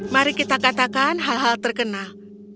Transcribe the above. mari kita katakan hal hal terkenal